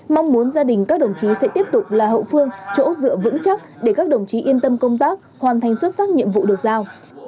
mong muốn gia đình các đồng chí sẽ tiếp tục là hậu phương chỗ dựa vững chắc để các đồng chí yên tâm công tác hoàn thành xuất sắc nhiệm vụ được giao